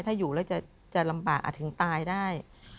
ถ้าอยู่แล้วจะลำบากอาจถึงตายได้